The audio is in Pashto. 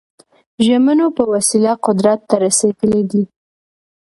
ژمنو په وسیله قدرت ته رسېدلي دي.